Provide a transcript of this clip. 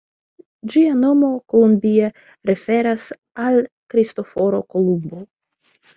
Ĝia nomo, ""Columbia"", referas al Kristoforo Kolumbo.